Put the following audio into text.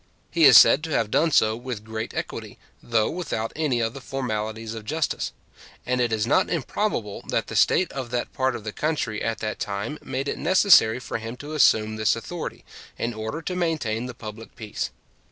He is said to have done so with great equity, though without any of the formalities of justice; and it is not improbable that the state of that part of the country at that time made it necessary for him to assume this authority, in order to maintain the public peace.